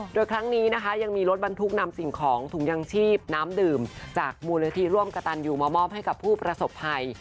โดยครั้งนี้นะคะยังมีรถบรรทุกนำสิ่งของถุงยางชีพน้ำดื่มจากมูลนิธิร่วมกระตันอยู่มามอบให้กับผู้ประสบภัย